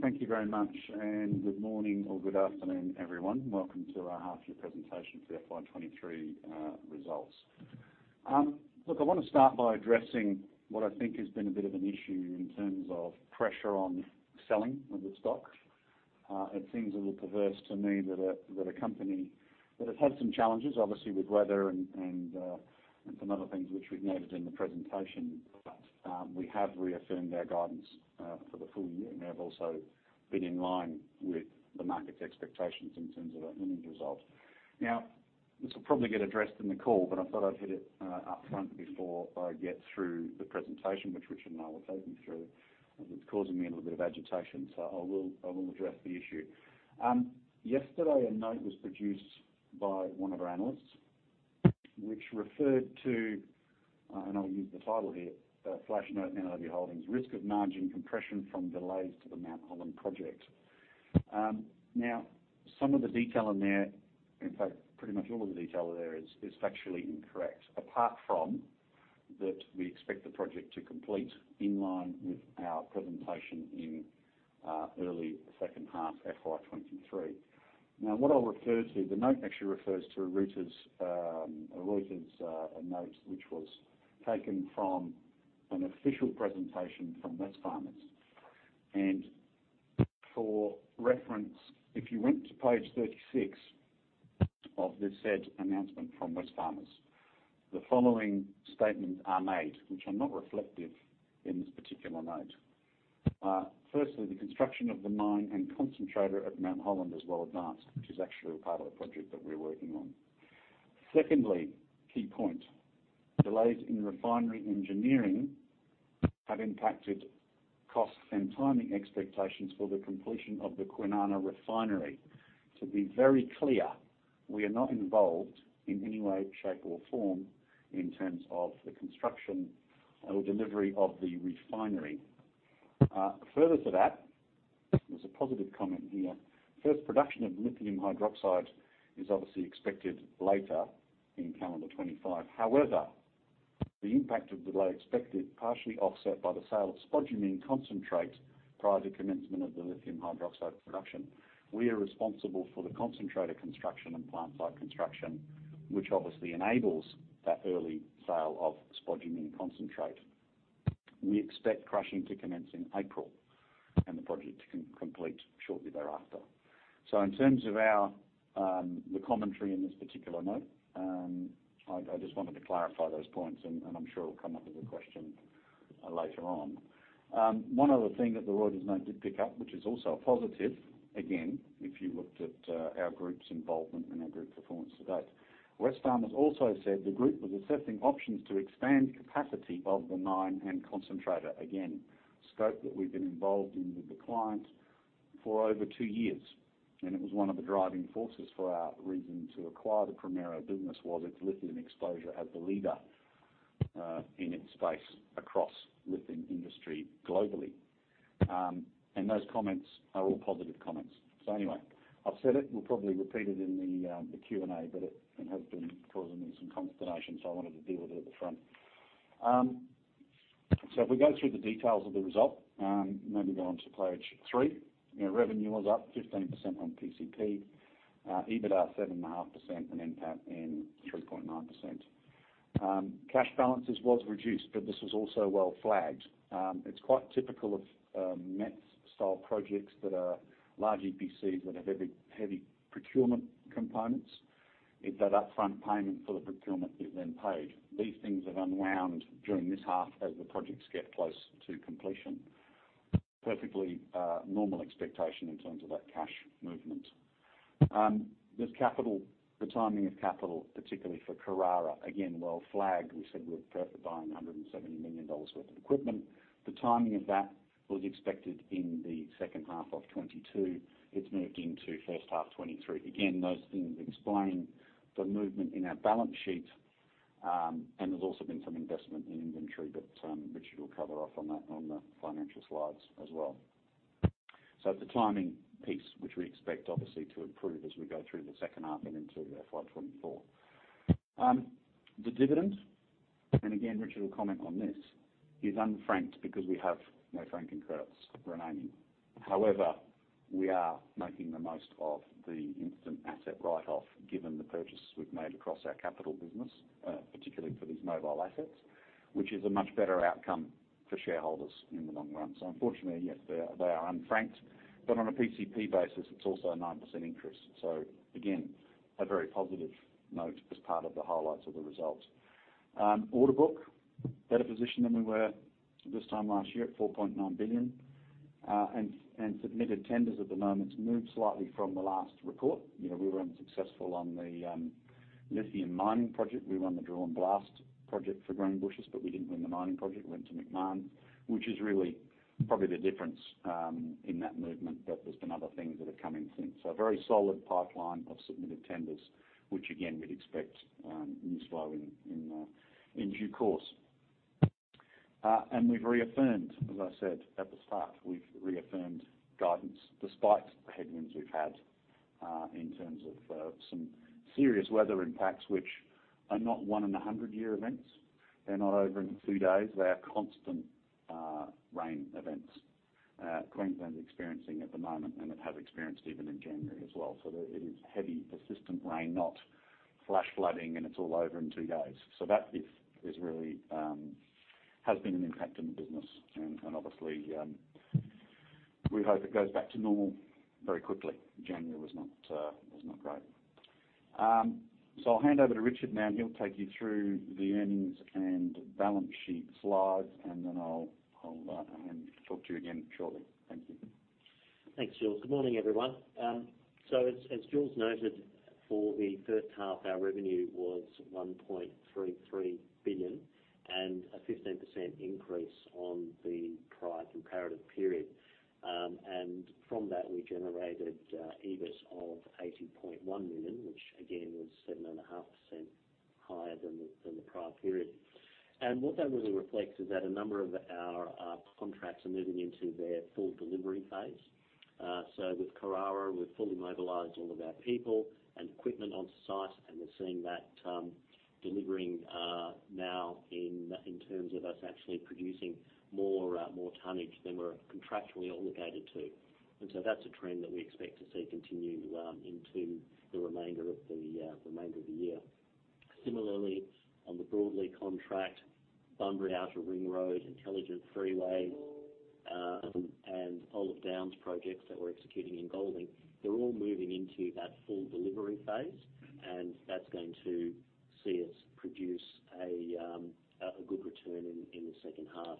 Thank you very much. Good morning or good afternoon, everyone. Welcome to our half year presentation for FY 2023 results. Look, I wanna start by addressing what I think has been a bit of an issue in terms of pressure on selling of the stock. It seems a little perverse to me that a company that has had some challenges, obviously, with weather and some other things which we've noted in the presentation. We have reaffirmed our guidance for the full year. We have also been in line with the market's expectations in terms of our earnings results. This will probably get addressed in the call, but I thought I'd hit it up front before I get through the presentation, which Richard and I will take you through, as it's causing me a little bit of agitation, so I will address the issue. Yesterday, a note was produced by one of our analysts which referred to, and I'll use the title here, Flash Note: Mount Holland, Risk of Margin Compression from Delays to the Mount Holland project. Some of the detail in there, in fact, pretty much all of the detail there is factually incorrect, apart from that we expect the project to complete in line with our presentation in early second half FY 2023. Now what I'll refer to the note actually refers to Richard's note, which was taken from an official presentation from Wesfarmers. For reference, if you went to page 36 of the said announcement from Wesfarmers, the following statements are made, which are not reflective in this particular note. Firstly, the construction of the mine and concentrator at Mount Holland is well advanced, which is actually a part of the project that we're working on. Secondly, key point, delays in refinery engineering have impacted costs and timing expectations for the completion of the Kwinana Refinery. To be very clear, we are not involved in any way, shape, or form in terms of the construction or delivery of the refinery. Further to that, there's a positive comment here. First production of lithium hydroxide is obviously expected later in calendar 2025. However, the impact of delay expected partially offset by the sale of spodumene concentrate prior to commencement of the lithium hydroxide production. We are responsible for the concentrator construction and plant site construction, which obviously enables that early sale of spodumene concentrate. We expect crushing to commence in April, and the project to complete shortly thereafter. In terms of our the commentary in this particular note, I just wanted to clarify those points, and I'm sure it'll come up as a question later on. One other thing that the note did pick up, which is also a positive, again, if you looked at our group's involvement and our group performance to date. Wesfarmers also said the group was assessing options to expand capacity of the mine and concentrator. Again, scope that we've been involved in with the client for over two years, it was one of the driving forces for our reason to acquire the Primero business was its lithium exposure as the leader in its space across lithium industry globally. Those comments are all positive comments. Anyway, I've said it. We'll probably repeat it in the Q&A, but it has been causing me some consternation, so I wanted to deal with it at the front. If we go through the details of the result, maybe go on to page three. You know, revenue was up 15% on PCP, EBITDA 7.5%, and NPAT in 3.9%. Cash balances was reduced, this was also well flagged. It's quite typical of MET-style projects that are large EPCs that have heavy procurement components. It's that upfront payment for the procurement that's then paid. These things have unwound during this half as the projects get close to completion. Perfectly normal expectation in terms of that cash movement. There's capital, the timing of capital, particularly for Karara, again, well flagged. We said we're buying 170 million dollars worth of equipment. The timing of that was expected in the second half of 2022. It's moved into first half 2023. Those things explain the movement in our balance sheet, and there's also been some investment in inventory that Richard will cover off on that on the financial slides as well. It's a timing piece which we expect obviously to improve as we go through the second half and into FY 2024. The dividend, and again, Richard will comment on this, is unfranked because we have no franking credits remaining. However, we are making the most of the instant asset write-off, given the purchases we've made across our capital business, particularly for these mobile assets, which is a much better outcome for shareholders in the long run. Unfortunately, yes, they are unfranked, but on a PCP basis, it's also a 9% increase. Again, a very positive note as part of the highlights of the results. Order book, better position than we were this time last year at 4.9 billion, and submitted tenders at the moment moved slightly from the last report. You know, we were unsuccessful on the lithium mining project. We won the drill and blast project for Greenbushes, but we didn't win the mining project. It went to Macmahon, which is really probably the difference in that movement. There's been other things that have come in since. A very solid pipeline of submitted tenders, which again, we'd expect newsflow in due course. And we've reaffirmed, as I said at the start, we've reaffirmed guidance despite the headwinds we've had in terms of some serious weather impacts which are not 1 in a 100 year events. They're not over in two days. They are constant rain events. Queensland's experiencing at the moment, and it has experienced even in January as well. There it is heavy, persistent rain, not flash flooding, and it's all over in two days. That is really has been an impact on the business and obviously, we hope it goes back to normal very quickly. January was not great. I'll hand over to Richard now, and he'll take you through the earnings and balance sheet slides, and then I'll talk to you again shortly. Thank you. Thanks, Jules. Good morning, everyone. As Jules noted, for the first half, our revenue was 1.33 billion and a 15% increase on the prior comparative period. From that, we generated EBITS of 80.1 million, which again was 7.5% higher than the prior period. What that really reflects is that a number of our contracts are moving into their full delivery phase. With Karara, we've fully mobilized all of our people and equipment on site, and we're seeing that delivering now in terms of us actually producing more tonnage than we're contractually obligated to. That's a trend that we expect to see continue into the remainder of the year. Similarly, on the Broadlea contract, Bunbury Outer Ring Road, Smart Freeway, and Olive Downs projects that we're executing in Golding, they're all moving into that full delivery phase, and that's going to see us produce a good return in the second half.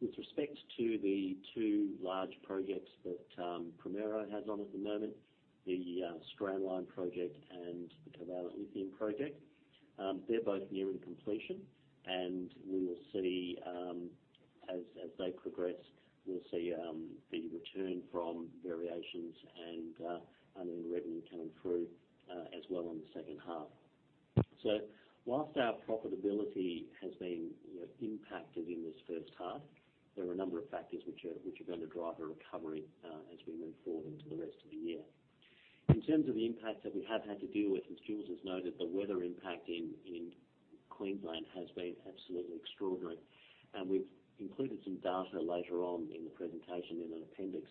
With respect to the two large projects that Primero has on at the moment, the Strandline project and the Covalent Lithium project, they're both nearing completion. We'll see, as they progress, we'll see the return from variations and earning revenue coming through as well on the second half. Whilst our profitability has been, you know, impacted in this first half, there are a number of factors which are gonna drive a recovery as we move forward into the rest of the year. In terms of the impact that we have had to deal with, as Jules has noted, the weather impact in Queensland has been absolutely extraordinary. We've included some data later on in the presentation in an appendix,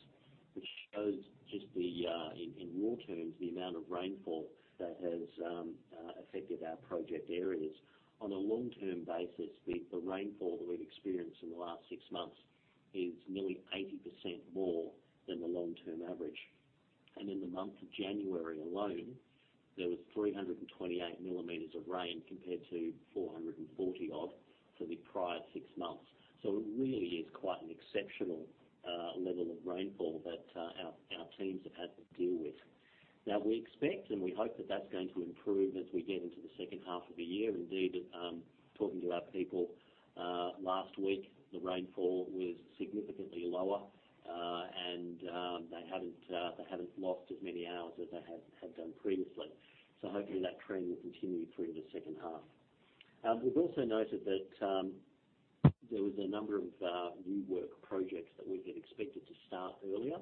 which shows just the in raw terms, the amount of rainfall that has affected our project areas. On a long-term basis, the rainfall that we've experienced in the last six months is nearly 80% more than the long-term average. In the month of January alone, there was 328 millimeters of rain compared to 440 odd for the prior six months. It really is quite an exceptional level of rainfall that our teams have had to deal with. We expect, and we hope that that's going to improve as we get into the second half of the year. Talking to our people, last week, the rainfall was significantly lower, and they hadn't lost as many hours as they had done previously. Hopefully, that trend will continue through the second half. We've also noted that there was a number of new work projects that we had expected to start earlier,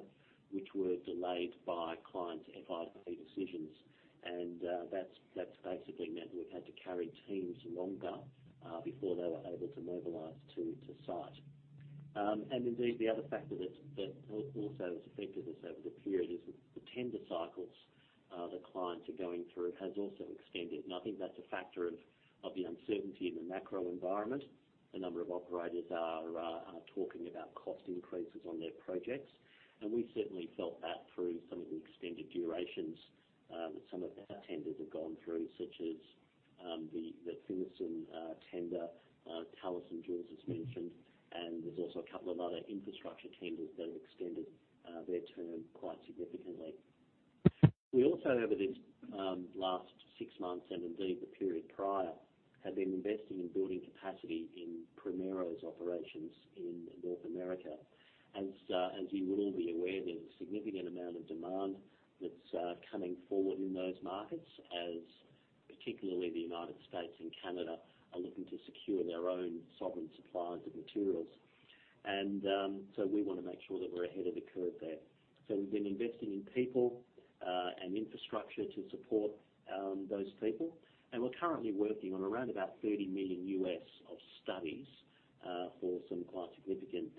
which were delayed by clients' FID decisions. That's basically meant we've had to carry teams longer, before they were able to mobilize to site. Indeed, the other factor that also has affected us over the period is the tender cycles, the clients are going through has also extended. I think that's a factor of the uncertainty in the macro environment. A number of operators are talking about cost increases on their projects, and we certainly felt that through some of the extended durations that some of our tenders have gone through, such as the Finniss tender, Talison, Jules has mentioned, and there's also a couple of other infrastructure tenders that have extended their term quite significantly. We also, over this last six months, and indeed the period prior, have been investing in building capacity in Primero's operations in North America. As you would all be aware, there's a significant amount of demand that's coming forward in those markets, as particularly the United States and Canada are looking to secure their own sovereign supplies of materials. We wanna make sure that we're ahead of the curve there. We've been investing in people and infrastructure to support those people. We're currently working on around about $30 million U.S. of studies for some quite significant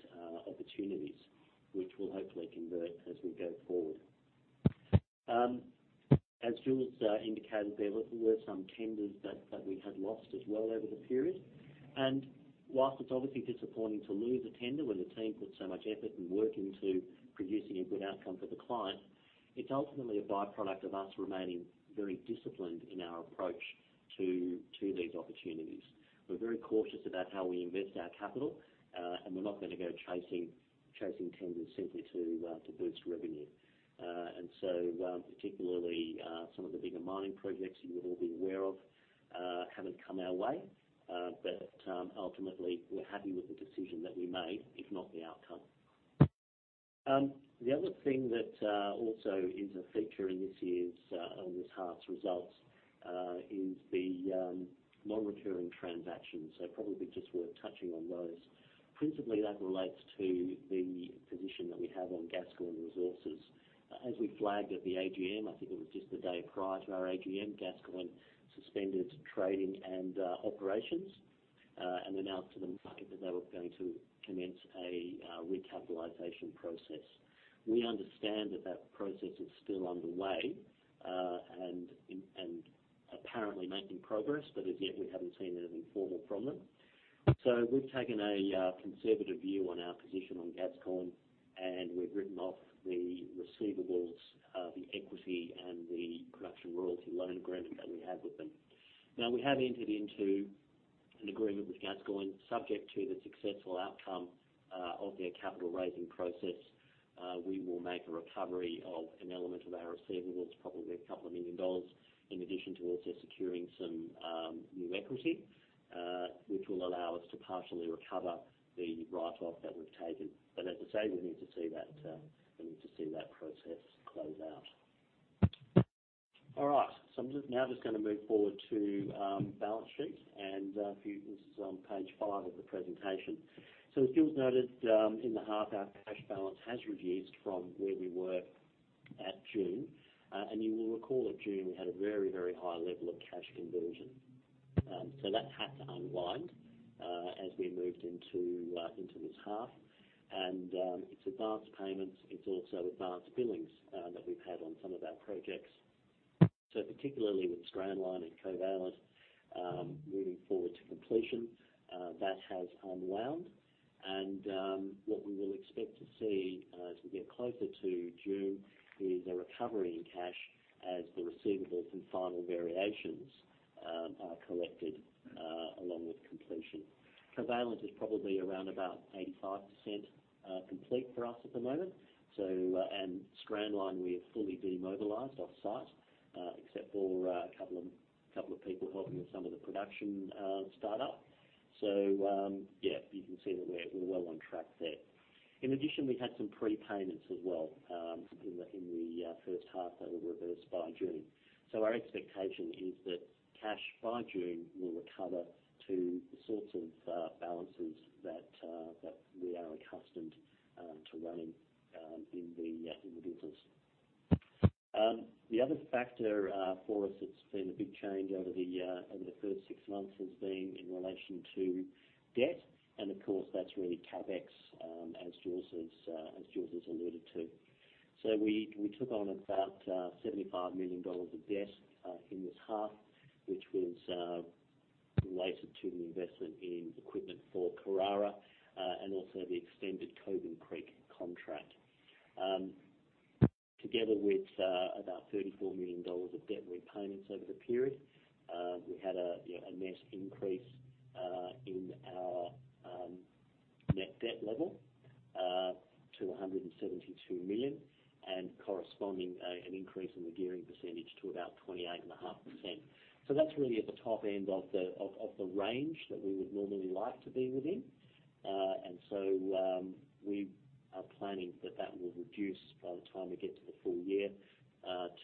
opportunities, which will hopefully convert as we go forward. As Jules indicated, there were some tenders that we had lost as well over the period. Whilst it's obviously disappointing to lose a tender when the team put so much effort and work into producing a good outcome for the client, it's ultimately a by-product of us remaining very disciplined in our approach to these opportunities. We're very cautious about how we invest our capital, and we're not gonna go chasing tenders simply to boost revenue. Particularly, some of the bigger mining projects you would all be aware of, haven't come our way. Ultimately, we're happy with the decision that we made, if not the outcome. The other thing that also is a feature in this year's, this half's results, is the Non-recurring transactions. Probably just worth touching on those. Principally, that relates to the position that we have on Gascoyne Resources. As we flagged at the AGM, I think it was just the day prior to our AGM, Gascoyne suspended its trading and operations and announced to the market that they were going to commence a recapitalization process. We understand that that process is still underway and apparently making progress, but as yet, we haven't seen anything formal from them. We've taken a conservative view on our position on Gascoyne, and we've written off the receivables, the equity and the production royalty loan agreement that we had with them. We have entered into an agreement with Gascoyne, subject to the successful outcome of their capital raising process. We will make a recovery of an element of our receivables, probably 2 million dollars, in addition to also securing some new equity, which will allow us to partially recover the write-off that we've taken. As I say, we need to see that, we need to see that process close out. I'm just, now just gonna move forward to balance sheet and this is on page five of the presentation. As Jules noted, in the half, our cash balance has reduced from where we were at June. You will recall at June, we had a very, very high level of cash conversion. That had to unwind as we moved into this half. It's advanced payments. It's also advanced billings that we've had on some of our projects. Particularly with Strandline and Covalent, moving forward to completion, that has unwound. What we will expect to see as we get closer to June is a recovery in cash as the receivables and final variations are collected along with completion. Covalent is probably around about 85% complete for us at the moment. And Strandline, we are fully demobilized offsite, except for a couple of people helping with some of the production start up. Yeah, you can see that we're well on track there. In addition, we had some prepayments as well in the first half that were reversed by June. Our expectation is that cash by June will recover to the sorts of balances that we are accustomed to running in the business. The other factor for us that's been a big change over the first six months has been in relation to debt. Of course, that's really CapEx, as Jules has alluded to. We took on about 75 million dollars of debt in this half, which was related to the investment in equipment for Karara, and also the extended Coban Creek contract. Together with about 34 million dollars of debt repayments over the period, we had a, you know, a net increase in our net debt level to 172 million and corresponding an increase in the gearing percentage to about 28.5%. That's really at the top end of the range that we would normally like to be within. We are planning that that will reduce by the time we get to the full year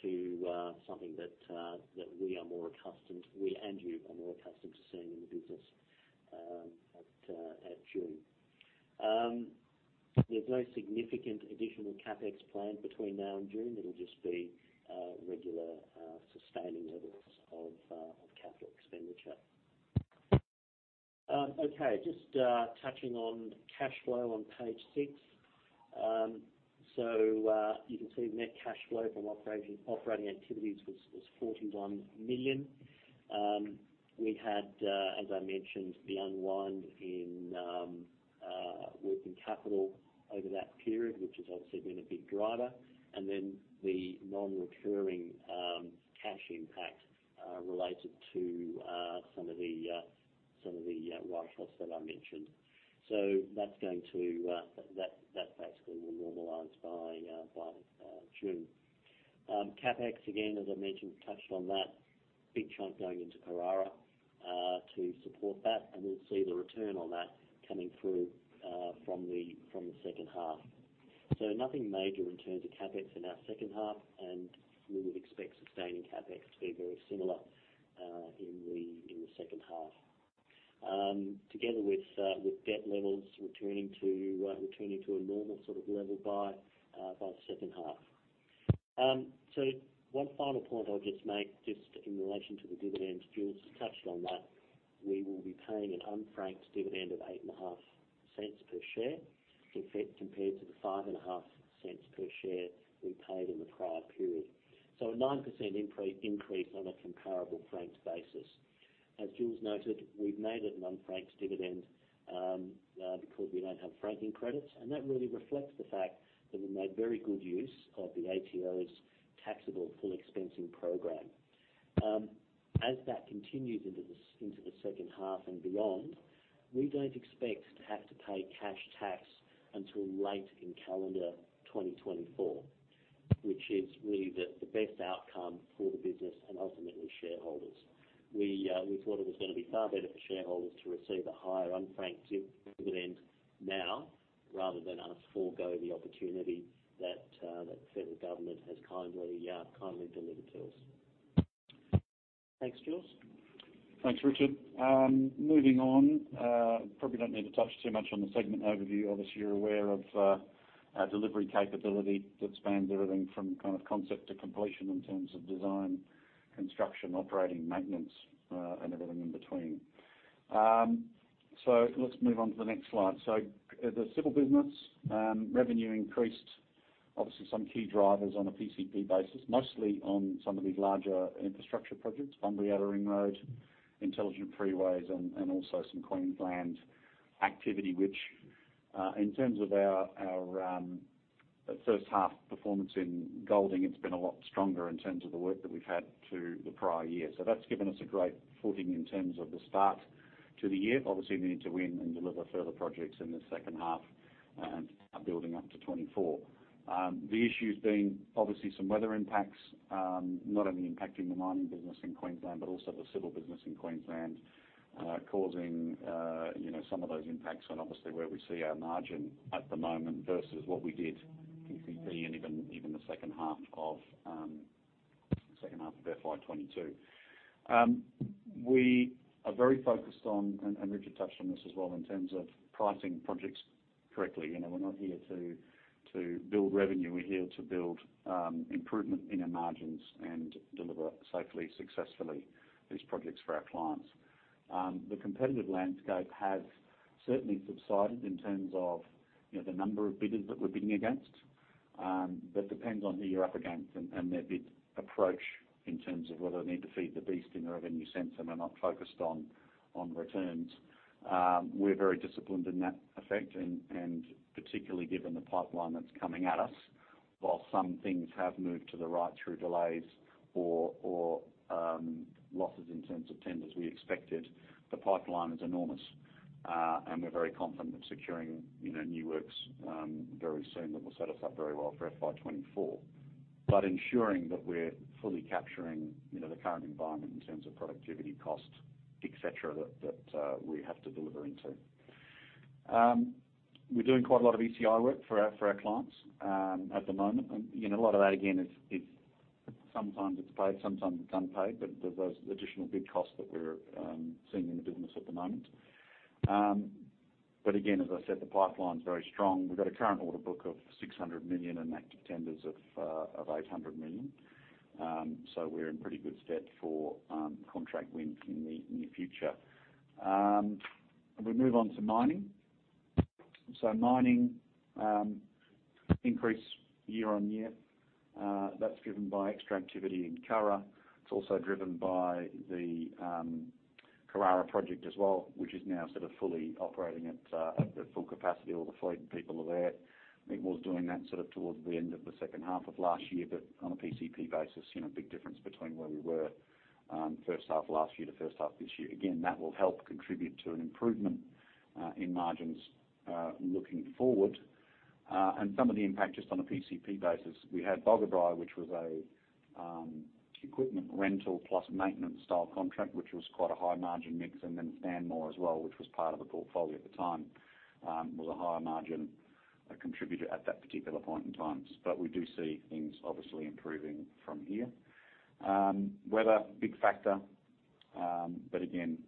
to something that we are more accustomed, we and you are more accustomed to seeing in the business at June. There's no significant additional CapEx planned between now and June. It'll just be regular sustaining levels of capital expenditure. Touching on cash flow on page six. You can see net cash flow from operating activities was 41 million. We had, as I mentioned, the unwind in working capital over that period, which has obviously been a big driver. The non-recurring cash impact related to some of the write-offs that I mentioned. That basically will normalize by June. CapEx, again, as I mentioned, touched on that big chunk going into Karara to support that, and we'll see the return on that coming through from the second half. Nothing major in terms of CapEx in our second half, and we would expect sustaining CapEx to be very similar in the second half. Together with debt levels returning to a normal sort of level by the second half. One final point I'll just make, just in relation to the dividends, Jules touched on that. We will be paying an unfranked dividend of 0.085 per share, if it compared to the 0.055 per share we paid in the prior period. A 9% increase on a comparable franked basis. As Jules noted, we've made it an unfranked dividend because we don't have franking credits, and that really reflects the fact that we made very good use of the ATO's taxable full expensing program. As that continues into the second half and beyond, we don't expect to have to pay cash tax until late in calendar 2024, which is really the best outcome for the business and ultimately shareholders. We, we thought it was gonna be far better for shareholders to receive a higher unfranked dividend now rather than, forego the opportunity that the federal government has kindly delivered to us. Thanks, Jules. Thanks, Richard. Moving on, probably don't need to touch too much on the segment overview. Obviously, you're aware of our delivery capability that spans everything from kind of concept to completion in terms of design, construction, operating maintenance, and everything in between. Let's move on to the next slide. The civil business, revenue increased. Obviously some key drivers on a PCP basis, mostly on some of these larger infrastructure projects, Bunbury Outer Ring Road, Smart Freeways, and also some Queensland activity, which in terms of our first half performance in Golding, it's been a lot stronger in terms of the work that we've had to the prior year. That's given us a great footing in terms of the start to the year. Obviously we need to win and deliver further projects in the second half and building up to 2024. The issue's been obviously some weather impacts, not only impacting the mining business in Queensland, but also the civil business in Queensland, causing, you know, some of those impacts on obviously where we see our margin at the moment versus what we did PCP and even the second half of FY 2022. We are very focused on, and Richard touched on this as well, in terms of pricing projects correctly. You know, we're not here to build revenue. We're here to build improvement in our margins and deliver safely, successfully these projects for our clients. The competitive landscape has certainly subsided in terms of, you know, the number of bidders that we're bidding against, that depends on who you're up against and their bid approach in terms of whether they need to feed the beast in a revenue sense, and they're not focused on returns. We're very disciplined in that effect and particularly given the pipeline that's coming at us, while some things have moved to the right through delays or, losses in terms of tenders we expected, the pipeline is enormous. We're very confident of securing, you know, new works, very soon that will set us up very well for FY 2024. Ensuring that we're fully capturing, you know, the current environment in terms of productivity cost, et cetera, that, we have to deliver into. We're doing quite a lot of ECI work for our clients at the moment. You know, a lot of that again is sometimes it's paid, sometimes it's unpaid, but there's those additional big costs that we're seeing in the business at the moment. Again, as I said, the pipeline's very strong. We've got a current order book of 600 million and active tenders of 800 million. We're in pretty good stead for contract win in the near future. If we move on to mining. Mining increased year-on-year, that's driven by extra activity in Curragh. It's also driven by the Karara project as well, which is now sort of fully operating at the full capacity, all the fleet and people are there. I think it was doing that sort of towards the end of the second half of last year. On a PCP basis, you know, big difference between where we were, first half last year to first half this year. That will help contribute to an improvement in margins looking forward. Some of the impact just on a PCP basis, we had Baralaba, which was a equipment rental plus maintenance style contract, which was quite a high margin mix. Then Stanmore as well, which was part of the portfolio at the time, was a higher margin contributor at that particular point in time. We do see things obviously improving from here. Weather, big factor, again,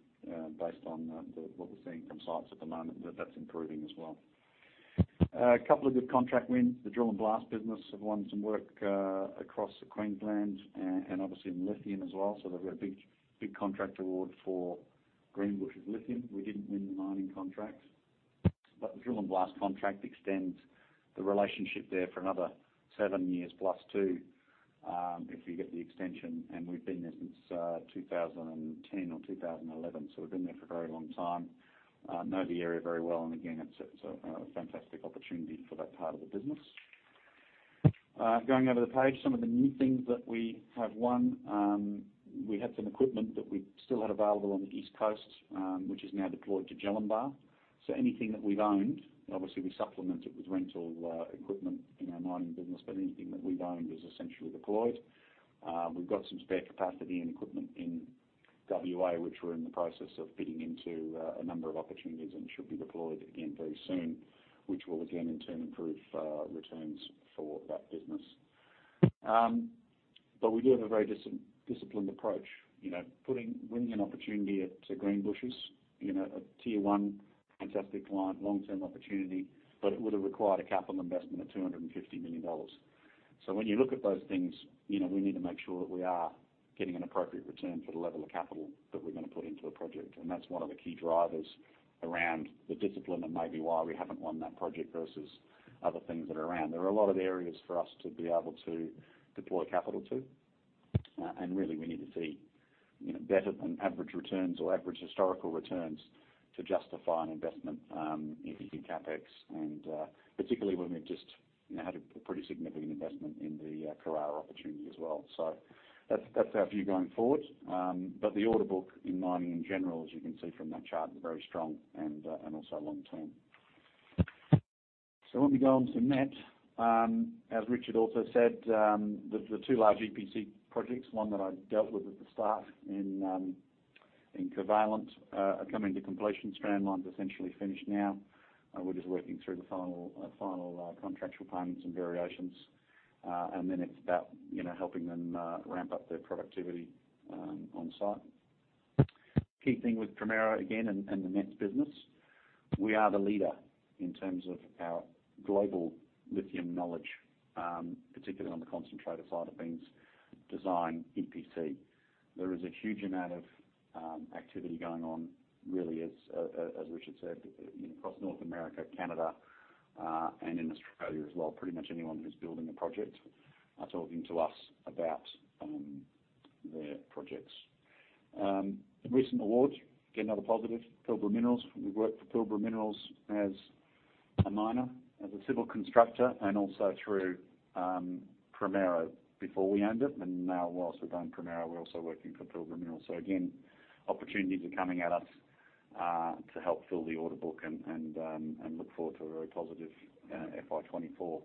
based on what we're seeing from sites at the moment, that's improving as well. A couple of good contract wins. The drill and blast business have won some work across Queensland and obviously in Lithium as well. They've got a big, big contract award for Greenbushes Lithium. We didn't win the mining contracts, but the drill and blast contract extends the relationship there for another seven years, plus two, if we get the extension. We've been there since 2010 or 2011. We've been there for a very long time, know the area very well. Again, it's a fantastic opportunity for that part of the business. Going over the page, some of the new things that we have won, we had some equipment that we still had available on the East Coast, which is now deployed to Jellinbah. Anything that we've owned, obviously we supplement it with rental, equipment in our mining business. Anything that we've owned is essentially deployed. We've got some spare capacity and equipment in WA, which we're in the process of bidding into, a number of opportunities and should be deployed again very soon, which will again, in turn, improve, returns for that business. We do have a very disciplined approach. You know, putting, winning an opportunity at, to Greenbushes, you know, a tier one fantastic client, long term opportunity, but it would have required a capital investment of 250 million dollars. When you look at those things, you know, we need to make sure that we are getting an appropriate return for the level of capital that we're gonna put into a project. That's one of the key drivers around the discipline and maybe why we haven't won that project versus other things that are around. There are a lot of areas for us to be able to deploy capital to. Really we need to see, you know, better than average returns or average historical returns to justify an investment in CapEx and particularly when we've just, you know, had a pretty significant investment in the Karara opportunity as well. That's, that's our view going forward. The order book in mining in general, as you can see from that chart, is very strong and also long term. Let me go on to net. As Richard also said, the two large EPC projects, one that I dealt with at the start in Covalent, coming to completion, Strandline's essentially finished now. We're just working through the final contractual payments and variations. It's about, you know, helping them ramp up their productivity on site. Key thing with Primero again and the MET business, we are the leader in terms of our global lithium knowledge, particularly on the concentrated side of things, design EPC. There is a huge amount of activity going on really as Richard said, across North America, Canada, and in Australia as well. Pretty much anyone who's building a project are talking to us about their projects. Recent awards, again, another positive, Pilbara Minerals. We've worked for Pilbara Minerals as a miner, as a civil constructor, and also through Primero before we owned it. Now whilst we've owned Primero, we're also working for Pilbara Minerals. Again, opportunities are coming at us to help fill the order book and look forward to a very positive FY 2024.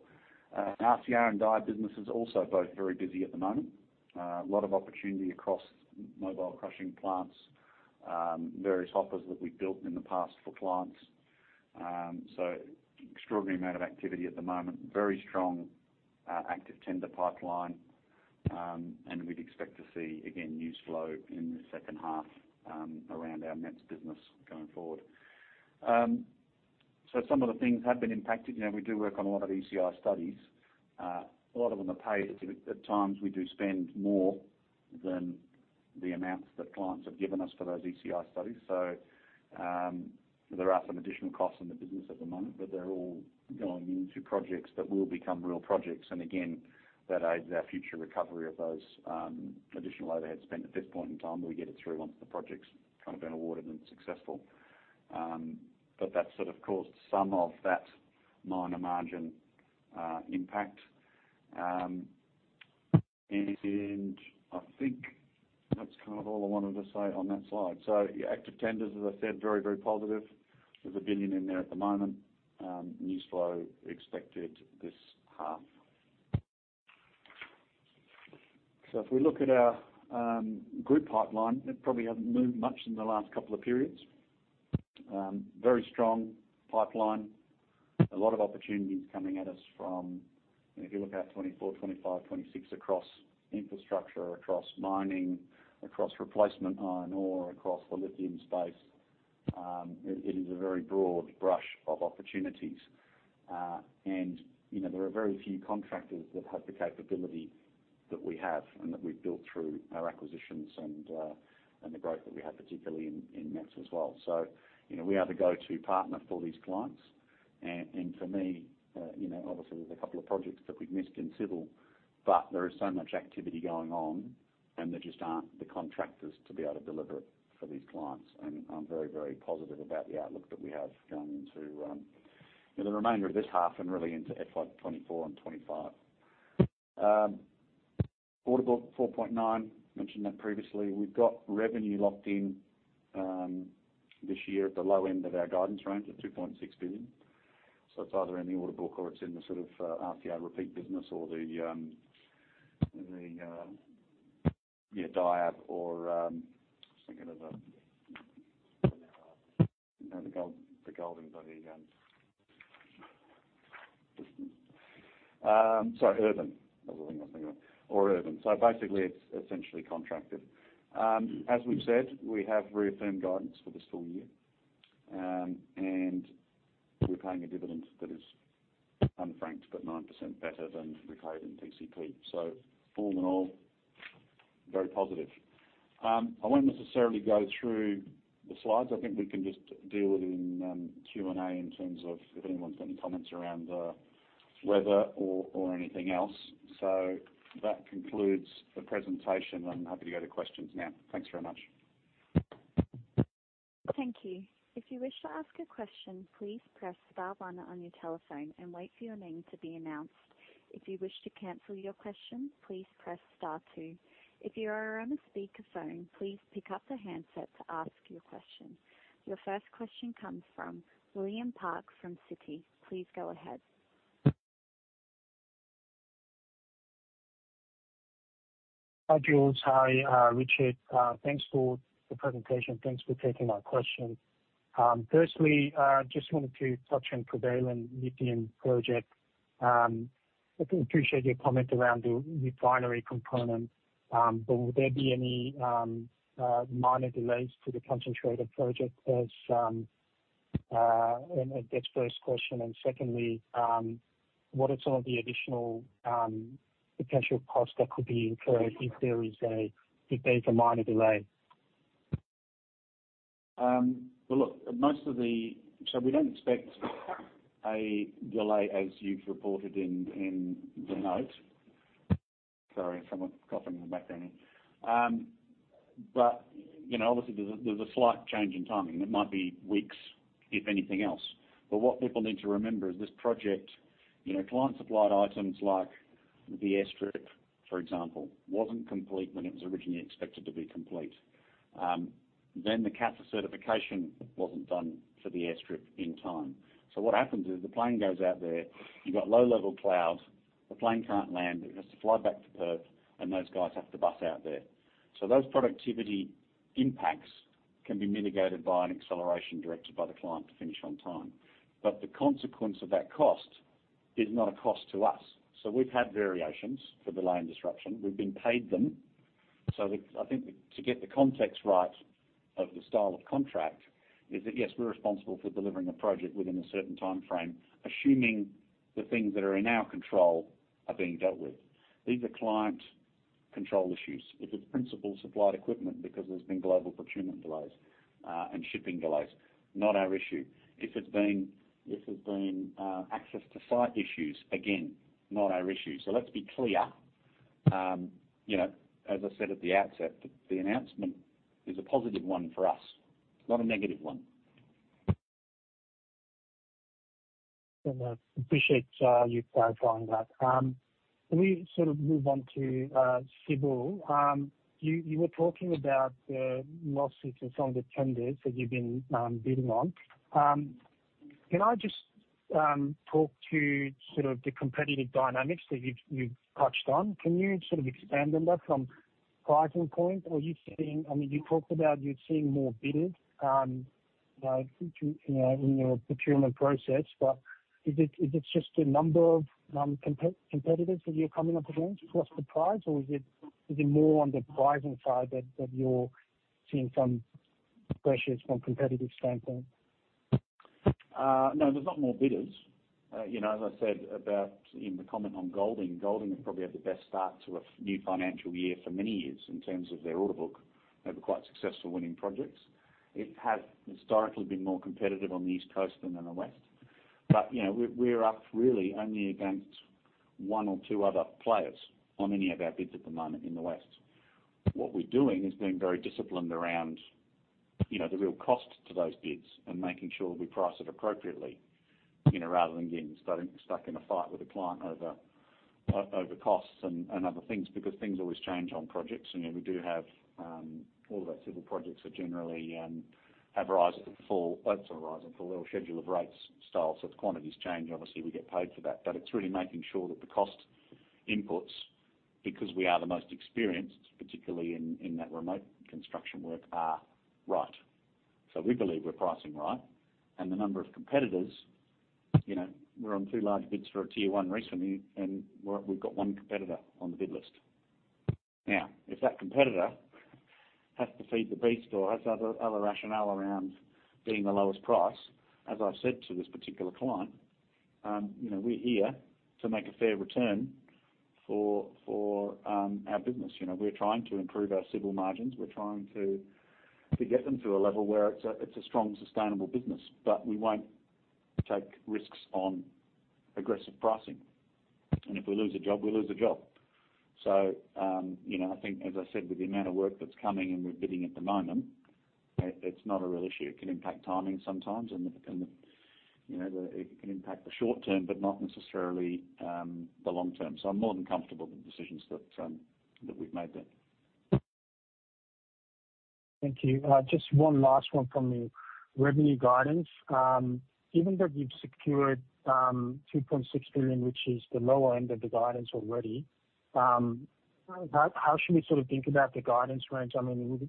RCR and DIAB business is also both very busy at the moment. A lot of opportunity across mobile crushing plants, various hoppers that we've built in the past for clients. Extraordinary amount of activity at the moment. Very strong, active tender pipeline. We'd expect to see, again, news flow in the second half around our MET business going forward. Some of the things have been impacted. You know, we do work on a lot of ECI studies. A lot of them are paid. At times, we do spend more than the amounts that clients have given us for those ECI studies. There are some additional costs in the business at the moment, but they're all going into projects that will become real projects. Again, that aids our future recovery of those additional overhead spend at this point in time. We get it through once the project's kind of been awarded and successful. That sort of caused some of that minor margin impact. I think that's kind of all I wanted to say on that slide. Active tenders, as I said, very, very positive. There's 1 billion in there at the moment. News flow expected this half. If we look at our group pipeline, it probably hasn't moved much in the last couple of periods. Very strong pipeline. A lot of opportunities coming at us from, you know, if you look out 2024, 2025, 2026 across infrastructure, across mining, across replacement iron ore, across the lithium space, it is a very broad brush of opportunities. And, you know, there are very few contractors that have the capability that we have and that we've built through our acquisitions and the growth that we have, particularly in MET as well. You know, we are the go-to partner for these clients. For me, you know, obviously, there's a couple of projects that we've missed in civil, but there is so much activity going on, and there just aren't the contractors to be able to deliver it for these clients. I'm very, very positive about the outlook that we have going into, you know, the remainder of this half and really into FY 2024 and 2025. Order book 4.9 billion, mentioned that previously. We've got revenue locked in this year at the low end of our guidance range of 2.6 billion. It's either in the order book or it's in the sort of RPO repeat business or the DIAB or just thinking of the, you know, sorry, Urban. That was the thing I was thinking of, Urban. Basically, it's essentially contracted. As we've said, we have reaffirmed guidance for this full year, and we're paying a dividend that is unfranked, but 9% better than the recovery and PCP. All in all, very positive. I won't necessarily go through the slides. I think we can just deal it in Q&A in terms of if anyone's got any comments around weather or anything else. That concludes the presentation. I'm happy to go to questions now. Thanks very much. Thank you. If you wish to ask a question, please press star one on your telephone and wait for your name to be announced. If you wish to cancel your question, please press star two. If you are on a speakerphone, please pick up the handset to ask your question. Your first question comes from William Park from Citi. Please go ahead. Hi, Jules. Hi, Richard. Thanks for the presentation. Thanks for taking our question. Firstly, just wanted to touch on Covalent Lithium project. I can appreciate your comment around the refinery component, but will there be any minor delays to the concentrator project? That's first question. Secondly, what are some of the additional potential costs that could be incurred if there's a minor delay? Well, look, we don't expect a delay as you've reported in the note. Sorry, someone's coughing in the background. You know, obviously, there's a slight change in timing. It might be weeks, if anything else. What people need to remember is this project, you know, client-supplied items like the airstrip, for example, wasn't complete when it was originally expected to be complete. Then the CASA certification wasn't done for the airstrip in time. What happens is the plane goes out there, you've got low-level clouds. The plane can't land. It has to fly back to Perth, and those guys have to bus out there. Those productivity impacts can be mitigated by an acceleration directed by the client to finish on time. The consequence of that cost is not a cost to us. We've had variations for the line disruption. We've been paid them. I think to get the context right of the style of contract is that, yes, we're responsible for delivering a project within a certain time frame, assuming the things that are in our control are being dealt with. These are client control issues. If it's principal supplied equipment because there's been global procurement delays, and shipping delays, not our issue. If it's been access to site issues, again, not our issue. Let's be clear, you know, as I said at the outset, the announcement is a positive one for us, not a negative one. I appreciate you clarifying that. Can we sort of move on to civil? You were talking about losses on some of the tenders that you've been bidding on. Can I just talk to sort of the competitive dynamics that you've touched on? Can you sort of expand on that from pricing point? Are you seeing? I mean, you talked about you're seeing more bidders, you know, in your procurement process, but is it just the number of competitors that you're coming up against? What's the price? Or is it more on the pricing side that you're seeing some pressures from competitive standpoint? No, there's not more bidders. You know, as I said about in the comment on Golding has probably had the best start to a new financial year for many years in terms of their order book. They were quite successful winning projects. It has historically been more competitive on the East Coast than on the West. You know, we're up really only against one or two other players on any of our bids at the moment in the West. What we're doing is being very disciplined around, you know, the real cost to those bids and making sure we price it appropriately, you know, rather than getting stuck in a fight with a client over costs and other things, because things always change on projects. You know, we do have all of our civil projects are generally have rise up to full, well, sort of rise up to full schedule of rates style. If the quantities change, obviously we get paid for that. It's really making sure that the cost inputs, because we are the most experienced, particularly in that remote construction work, are right. We believe we're pricing right. The number of competitors, you know, we're on two large bids for a tier one recently, we've got one competitor on the bid list. If that competitor has to feed the beast or has other rationale around being the lowest price, as I've said to this particular client, you know, we're here to make a fair return for our business. You know, we're trying to improve our civil margins. We're trying to get them to a level where it's a strong, sustainable business, but we won't take risks on aggressive pricing. If we lose a job, we lose a job. You know, I think, as I said, with the amount of work that's coming and we're bidding at the moment, it's not a real issue. It can impact timing sometimes and the, you know, it can impact the short term, but not necessarily the long term. I'm more than comfortable with the decisions that we've made there. Thank you. Just one last one from the revenue guidance. Given that you've secured 2.6 billion, which is the lower end of the guidance already, how should we sort of think about the guidance range? Would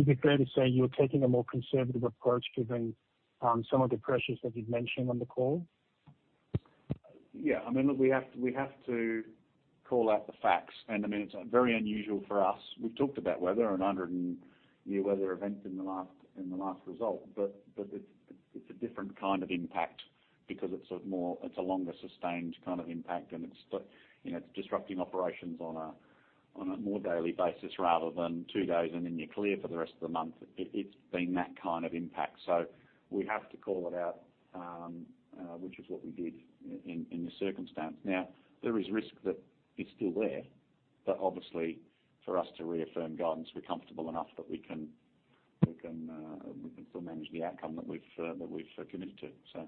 it be fair to say you're taking a more conservative approach given some of the pressures that you've mentioned on the call? I mean, look, we have to call out the facts. I mean, it's very unusual for us. We've talked about weather and 100 and, you know, weather events in the last result. But it's a different kind of impact because it's a more, it's a longer sustained kind of impact. It's, but, you know, it's disrupting operations on a more daily basis rather than two days and then you're clear for the rest of the month. It's been that kind of impact. We have to call it out, which is what we did in the circumstance. Now, there is risk that is still there. Obviously for us to reaffirm guidance, we're comfortable enough that we can still manage the outcome that we've committed to.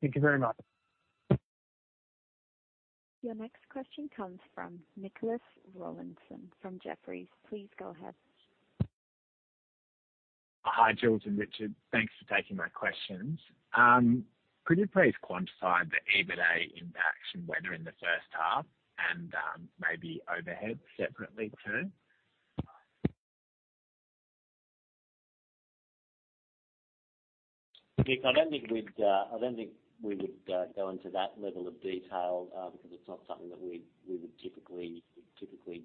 Thank you very much. Your next question comes from Nicholas Rawlinson from Jefferies. Please go ahead. Hi, Jules and Richard. Thanks for taking my questions. Could you please quantify the EBITDA impact from weather in the first half and, maybe overhead separately too? Nick, I don't think we would go into that level of detail, because it's not something that we would typically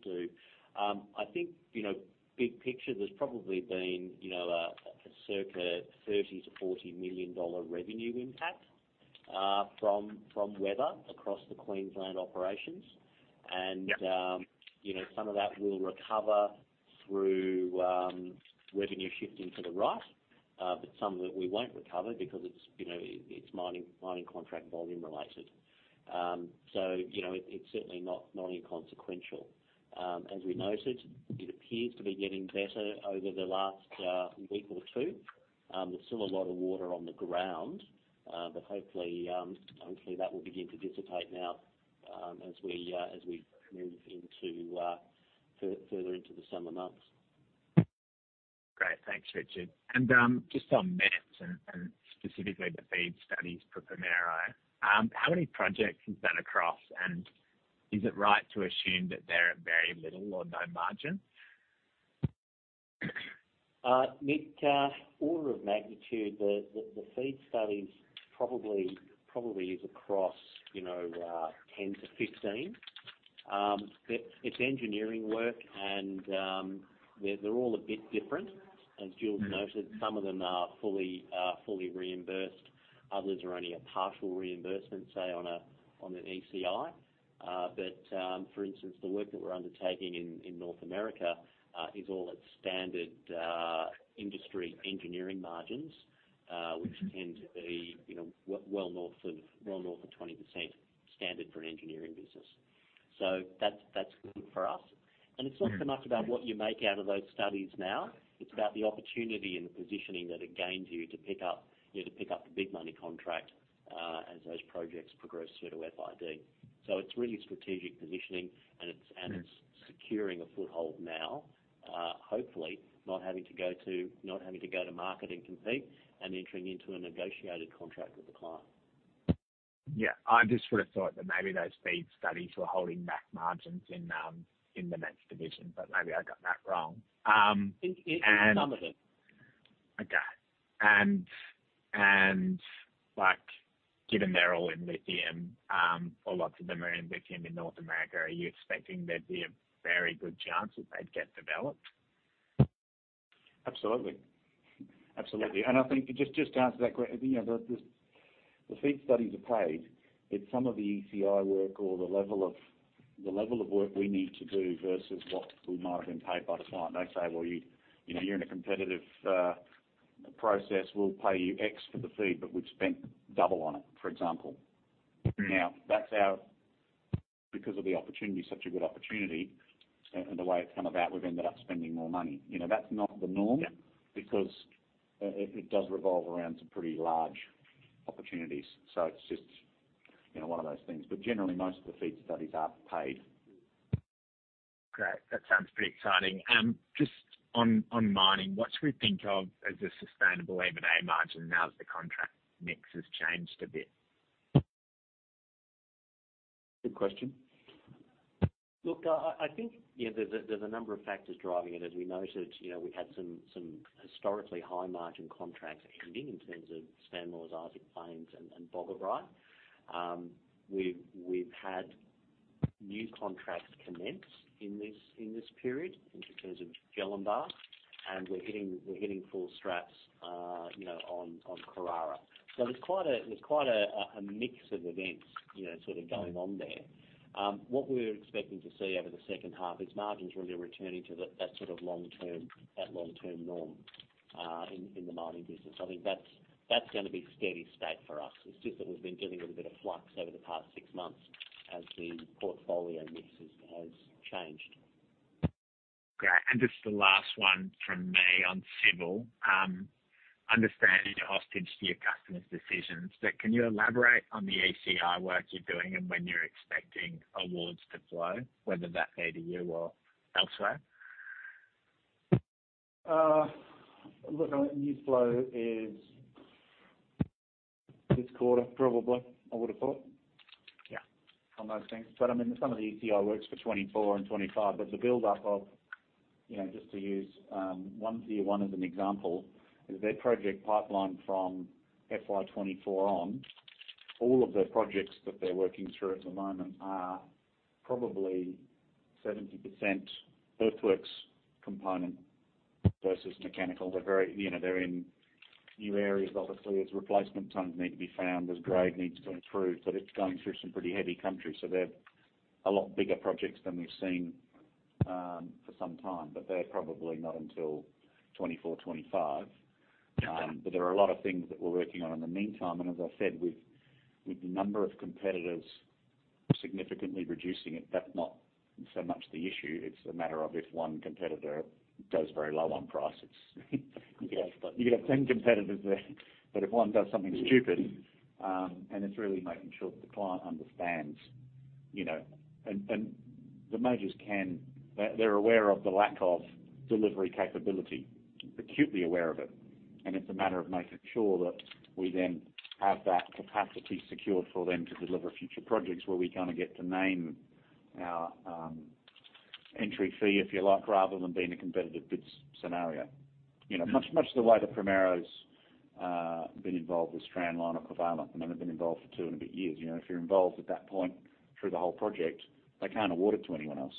do. I think, you know, big picture, there's probably been, you know, a circa 30 million-40 million dollar revenue impact from weather across the Queensland operations. You know, some of that we'll recover through revenue shifting to the right, but some that we won't recover because it's, you know, it's mining contract volume related. You know, it's certainly not non-inconsequential. As we noted, it appears to be getting better over the last week or two. There's still a lot of water on the ground, but hopefully that will begin to dissipate now, as we move into further into the summer months. Thanks, Richard. Just on MET and specifically the FEED studies for Primero. How many projects is that across? Is it right to assume that they're at very little or no margin? Mid order of magnitude, the FEED study's probably is across 10-15. It's engineering work and they're all a bit different. As Jules noted, some of them are fully reimbursed, others are only a partial reimbursement, say, on an ECI. For instance, the work that we're undertaking in North America is all at standard industry engineering margins which tend to be, you know, well north of 20% standard for an engineering business. That's good for us. It's not so much about what you make out of those studies now. It's about the opportunity and the positioning that it gains you to pick up, you know, to pick up the big money contract, as those projects progress through to FID. It's really strategic positioning. It's securing a foothold now. Hopefully not having to go to market and compete and entering into a negotiated contract with the client. Yeah. I just would've thought that maybe those FEED studies were holding back margins in the MET division, but maybe I got that wrong. In some of it. Okay. Like, given they're all in lithium, or lots of them are in lithium in North America, are you expecting there'd be a very good chance that they'd get developed? Absolutely. Absolutely. I think just to answer that, you know, the FEED studies are paid. It's some of the ECI work or the level of work we need to do versus what we might have been paid by the client. They say, "Well, you know, you're in a competitive process. We'll pay you X for the FEED, but we've spent double on it," for example. Because of the opportunity, such a good opportunity, and the way it's come about, we've ended up spending more money. You know, that's not the norm. Because itdoes revolve around some pretty large opportunities. It's just, you know, one of those things. Generally, most of the FEED studies are paid. Great. That sounds pretty exciting. Just on mining, what should we think of as a sustainable MET margin now as the contract mix has changed a bit? Good question. Look, I think, you know, there's a number of factors driving it. As we noted, you know, we had some historically high margin contracts ending in terms of Stanmore's Isaac Plains and Boggabri. We've had new contracts commence in this period in terms of Jellinbah, and we're hitting full straps, you know, on Karara. There's quite a mix of events, you know, sort of going on there. What we're expecting to see over the second half is margins really returning to that sort of long term norm in the mining business. I think that's gonna be steady state for us. It's just that we've been dealing with a bit of flux over the past six months as the portfolio mix has changed. Great. Just the last one from me on civil. Understanding you're hostage to your customers' decisions, but can you elaborate on the ECI work you're doing and when you're expecting awards to flow, whether that's ADU or elsewhere? Look, new flow is this quarter probably, I would've thought. Yeah. On those things. I mean, some of the ECI works for 2024 and 2025. The buildup of, you know, just to use OneView, one of as an example, is their project pipeline from FY 2024 on, all of the projects that they're working through at the moment are probably 70% earthworks component versus mechanical. They're very, you know, they're in new areas. Obviously, there's replacement tunnels need to be found. There's grade needs to come through, but it's going through some pretty heavy country, so they're a lot bigger projects than we've seen for some time. They're probably not until 2024, 2025. There are a lot of things that we're working on in the meantime. As I said, with the number of competitors significantly reducing it, that's not so much the issue. It's a matter of if one competitor does very low on price, it's you could have 10 competitors there, but if one does something stupid, and it's really making sure that the client understands, you know. The majors can... They're aware of the lack of delivery capability, acutely aware of it, and it's a matter of making sure that we then have that capacity secured for them to deliver future projects where we kinda get to name our entry fee, if you like, rather than being a competitive bid scenario. You know, much the way that Primero's been involved with Stanmore or Covalent, and they've been involved for two and a bit years. You know, if you're involved at that point through the whole project, they can't award it to anyone else.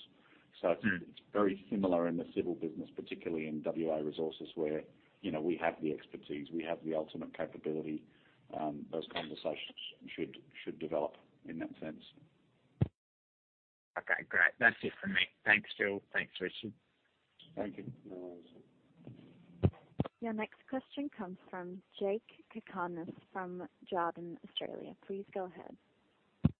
It's very similar in the civil business, particularly in WA Resources, where, you know, we have the expertise, we have the ultimate capability, those conversations should develop in that sense. Okay, great. That's it from me. Thanks, Jules. Thanks, Richard. Thank you. No worries. Your next question comes from Jakob Cakarnis from Jarden Australia. Please go ahead.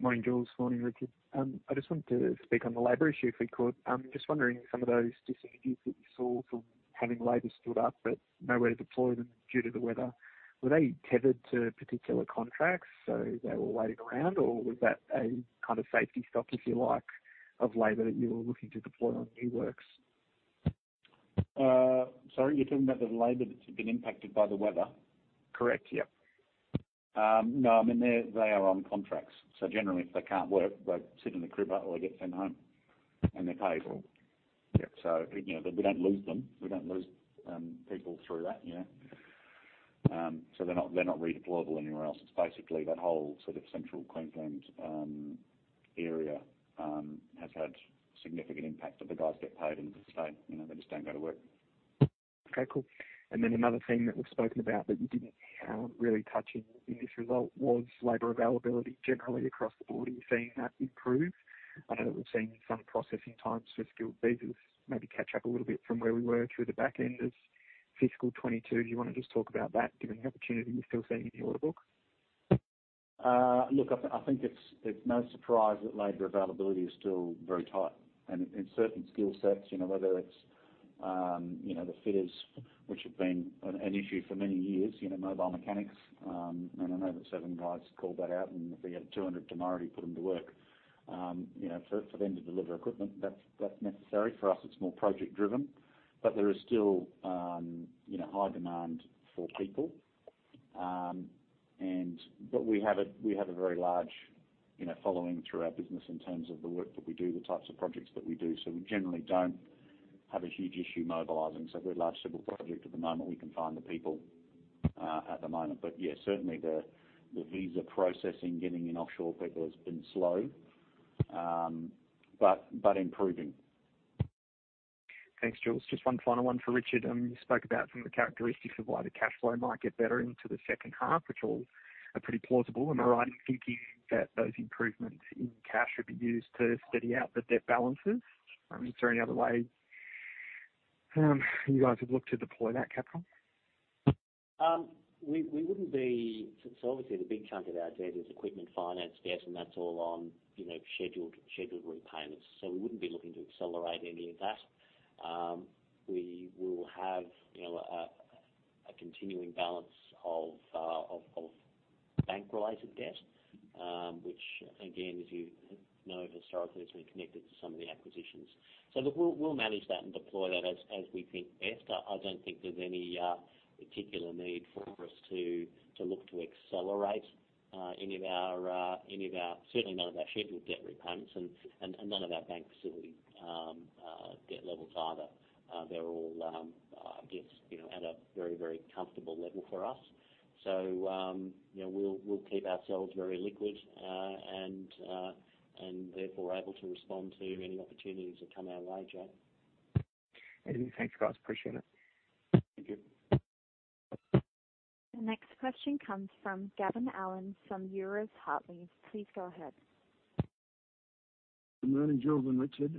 Morning, Jules. Morning, Richard. I just wanted to speak on the labor issue, if we could. Just wondering, some of those disadvantages that you saw from having labor stood up but nowhere to deploy them due to the weather, were they tethered to particular contracts, so they were waiting around? Or was that a kind of safety stock, if you like, of labor that you were looking to deploy on new works? Sorry, you're talking about the labor that's been impacted by the weather? Correct. Yep. No, I mean, they are on contracts, so generally if they can't work, they sit in the crib or they get sent home, and they're paid. You know, we don't lose them. We don't lose people through that, you know? They're not redeployable anywhere else. It's basically that whole sort of Central Queensland area has had significant impact, the guys get paid and stay. You know, they just don't go to work. Okay, cool. Another thing that we've spoken about that you didn't really touch in this result was labor availability generally across the board. Are you seeing that improve? I know that we've seen some processing times for skilled visas maybe catch up a little bit from where we were through the back end of fiscal 2022. Do you wanna just talk about that, given the opportunity you're still seeing in the order book? Look, I think it's no surprise that labor availability is still very tight. In certain skill sets, you know, whether it's, you know, the fitters, which have been an issue for many years, you know, mobile mechanics. I know that Seven guys called that out, and if we had 200 tomorrow, he'd put them to work. You know, for them to deliver equipment, that's necessary. For us, it's more project driven. There is still, you know, high demand for people. We have a very large, you know, following through our business in terms of the work that we do, the types of projects that we do. We generally don't have a huge issue mobilizing. If we had a large civil project at the moment, we can find the people at the moment. Yeah, certainly the visa processing, getting in offshore people has been slow, but improving. Thanks, Jules. Just one final one for Richard. You spoke about some of the characteristics of why the cash flow might get better into the second half, which all are pretty plausible. Am I right in thinking that those improvements in cash would be used to steady out the debt balances? I mean, is there any other way, you guys would look to deploy that capital? Obviously, the big chunk of our debt is equipment finance debt, and that's all on, you know, scheduled repayments. We wouldn't be looking to accelerate any of that. We will have, you know, a continuing balance of bank-related debt, which again, as you know, historically has been connected to some of the acquisitions. Look, we'll manage that and deploy that as we think best. I don't think there's any particular need for us to look to accelerate. Certainly none of our scheduled debt repayments and none of our bank facility debt levels either. They're all, you know, at a very comfortable level for us. You know, we'll keep ourselves very liquid, and therefore able to respond to any opportunities that come our way, Jakob. Thanks, guys. Appreciate it. Thank you. The next question comes from Gavin Allen from Euroz Hartleys. Please go ahead. Good morning, Jules and Richard.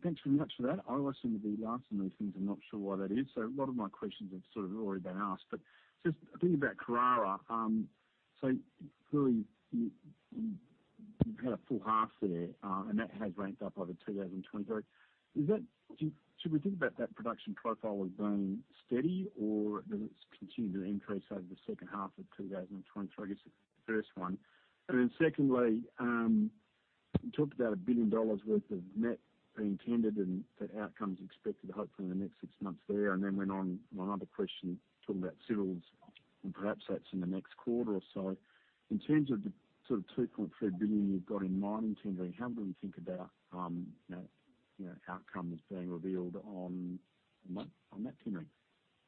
Thanks very much for that. I always seem to be last on these things. I'm not sure why that is. A lot of my questions have sort of already been asked. Just thinking about Karara, clearly you've had a full half there, and that has ramped up over 2023. Should we think about that production profile as being steady or does it continue to increase over the second half of 2023? I guess that's the first one. Secondly, you talked about 1 billion dollars worth of MET being tendered and the outcomes expected, hopefully in the next six months there. Went on, my other question, talking about civils and perhaps that's in the next quarter or so. In terms of the sort of 2.3 billion you've got in mining tendering, how do we think about, you know, you know, outcomes being revealed on that tendering?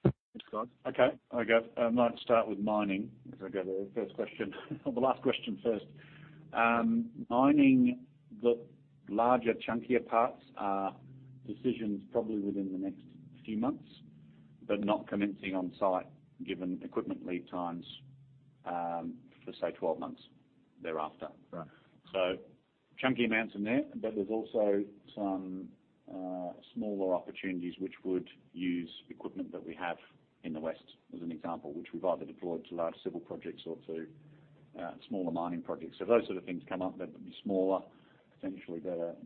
Thanks, guys. Okay. I might start with mining because I go the first question or the last question first. Mining, the larger chunkier parts are decisions probably within the next few months, but not commencing on site, given equipment lead times, for, say, 12 months thereafter. Right. Chunky amounts in there, but there's also some smaller opportunities which would use equipment that we have in the West as an example, which we've either deployed to large civil projects or to smaller mining projects. Those sort of things come up that would be smaller, potentially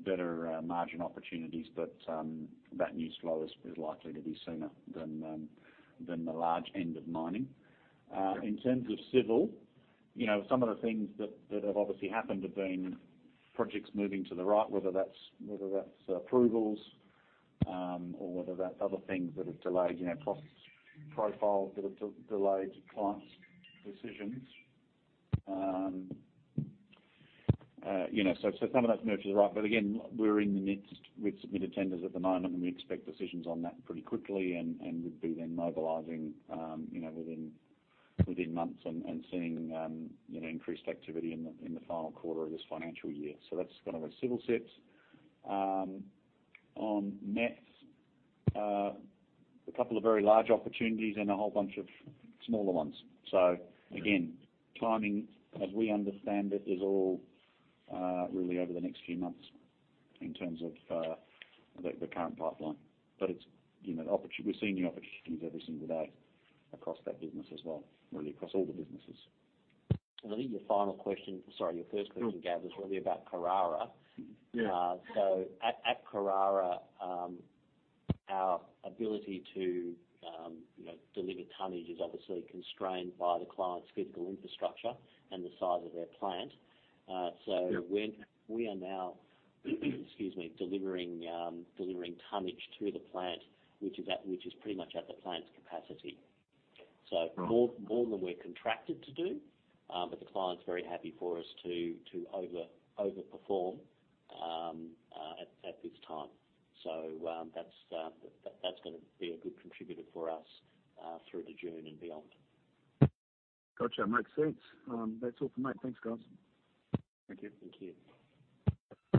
better margin opportunities but that news flow is likely to be sooner than the large end of mining. In terms of civil, some of the things that have obviously happened have been projects moving to the right, whether that's approvals, or whether that's other things that have delayed cost profile that have delayed clients' decisions. Some of that's moved to the right. Again, we're in the midst with submitted tenders at the moment, and we expect decisions on that pretty quickly, and we'd be then mobilizing, you know, within months and seeing, you know, increased activity in the final quarter of this financial year. That's kind of a civil set. On METs, a couple of very large opportunities and a whole bunch of smaller ones. Again, timing, as we understand it, is all really over the next few months in terms of the current pipeline. It's, you know, we're seeing new opportunities every single day across that business as well, really across all the businesses. I think your final question, sorry, your first question, Gavin, is really about Karara. Yeah. At Karara, you know, delivered tonnage is obviously constrained by the client's physical infrastructure and the size of their plant. When we are now, excuse me, delivering tonnage to the plant, which is pretty much at the plant's capacity. So, more than we're contracted to do, but the client's very happy for us to overperform at this time. That's gonna be a good contributor for us through to June and beyond. Gotcha. Makes sense. That's all for me. Thanks, guys. Thank you. Thank you.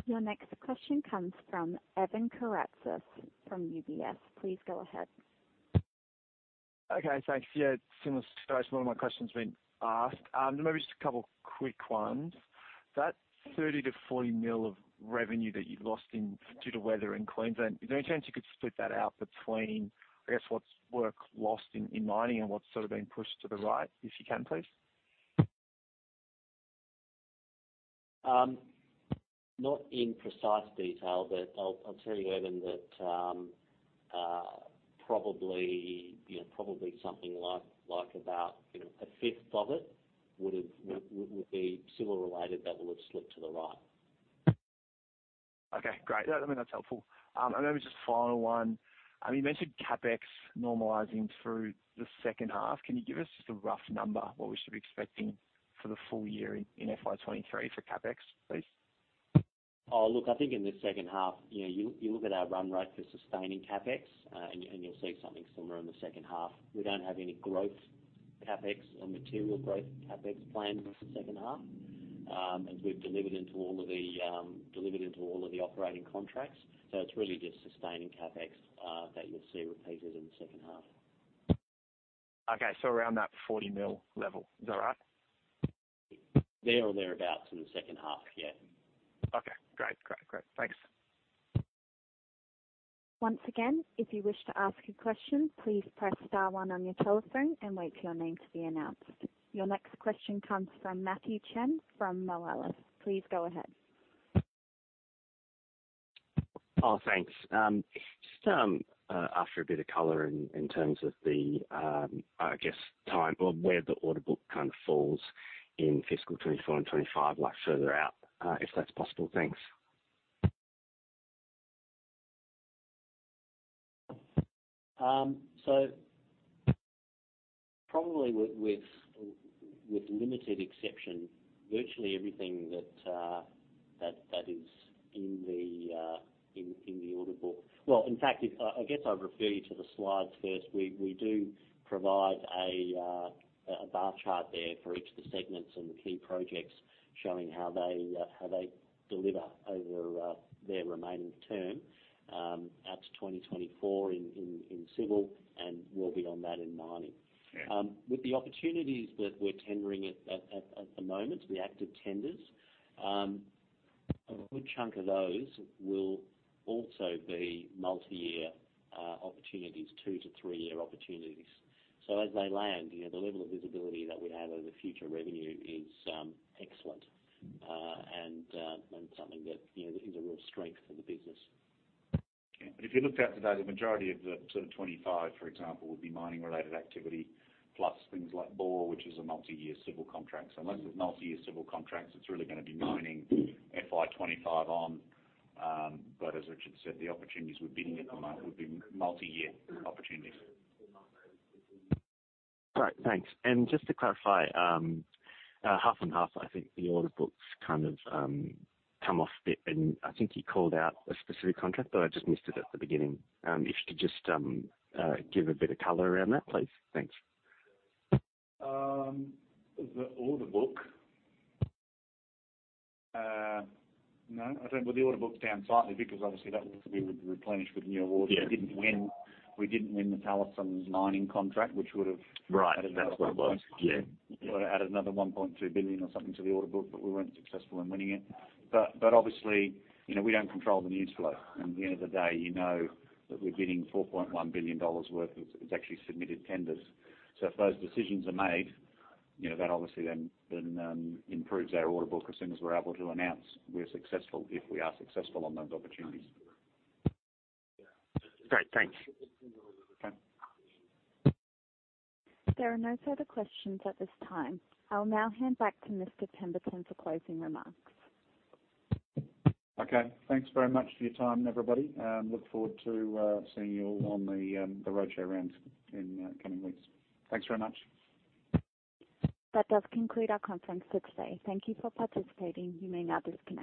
Your next question comes from Evan Karatzas from UBS. Please go ahead. Okay, thanks. Yeah, similar situation, a lot of my question's been asked. Maybe just a couple quick ones. That 30 million-40 million of revenue that you lost due to weather in Queensland, is there any chance you could split that out between, I guess, what's work lost in mining and what's sort of been pushed to the right, if you can, please? Not in precise detail, but I'll tell you, Evan, that, probably, you know, something like about, you know, a fifth of it would have, would be civil related that would have slipped to the right. Okay, great. Yeah, I mean, that's helpful. Maybe just final one, I mean, you mentioned CapEx normalizing through the second half. Can you give us just a rough number what we should be expecting for the full year in FY 2023 for CapEx, please? I think in the second half, you look at our run rate for sustaining CapEx, and you'll see something similar in the second half. We don't have any growth CapEx or material growth CapEx planned in the second half, as we've delivered into all of the operating contracts. It's really just sustaining CapEx that you'll see repeated in the second half. Okay. Around that 40 million level. Is that right? There or thereabouts in the second half, yeah. Okay, great. Great, great. Thanks. Once again, if you wish to ask a question, please press star one on your telephone and wait for your name to be announced. Your next question comes from Matthew Chen from Moelis Australia. Please go ahead. Oh, thanks. Just after a bit of color in terms of the, I guess time or where the order book kind of falls in fiscal 2024 and 2025, like further out, if that's possible. Thanks. Probably with limited exception, virtually everything that is in the order book. I guess I'll refer you to the slides first. We do provide a bar chart there for each of the segments and the key projects showing how they deliver over their remaining term out to 2024 in civil and well beyond that in mining. With the opportunities that we're tendering at the moment, the active tenders, a good chunk of those will also be multi-year opportunities, two to three year opportunities. As they land, you know, the level of visibility that we have over the future revenue is excellent, and something that, you know, is a real strength for the business. If you looked out to those, the majority of the sort of 25, for example, would be mining related activity plus things like Broadlea, which is a multi-year civil contract. Most of multi-year civil contracts, it's really gonna be mining FY 2025 on. As Richard said, the opportunities we're bidding at the moment would be multi-year opportunities. Great. Thanks. Just to clarify, half and half, I think the order books kind of come off a bit, I think you called out a specific contract, but I just missed it at the beginning. If you could just give a bit of color around that, please. Thanks. The order book? No, I don't. The order book's down slightly because obviously that will be replenished with new awards. We didn't win the Talison mining contract, which would have- Right. That's what it was. Yeah. added another 1.2 billion or something to the order book, but we weren't successful in winning it. Obviously, you know, we don't control the news flow. At the end of the day, you know that we're bidding 4.1 billion dollars worth of actually submitted tenders. If those decisions are made, you know, that obviously then improves our order book as soon as we're able to announce we're successful, if we are successful on those opportunities. Great. Thanks. There are no further questions at this time. I'll now hand back to Mr. Pemberton for closing remarks. Okay. Thanks very much for your time, everybody, and look forward to seeing you all on the roadshow rounds in coming weeks. Thanks very much. That does conclude our conference for today. Thank you for participating. You may now disconnect.